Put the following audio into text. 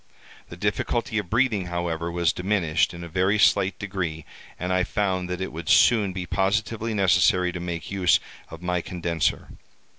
The difficulty of breathing, however, was diminished in a very slight degree, and I found that it would soon be positively necessary to make use of my condenser.